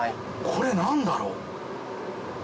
これ何だろう？